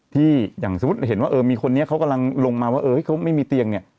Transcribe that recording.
อย่างสมมุติเห็นว่าเออมีคนนี้เขากำลังลงมาว่าเขาไม่มีเตียงเนี่ย